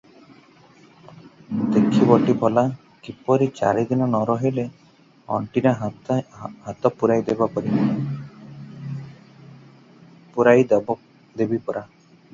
ଦେଖିବଟି ଭଲା, କିପରି ଚାରିଦିନ ନ ରହିବେ, ଅଣ୍ଟିରେ ହାତ ପୁରାଇଦେବିପରା ।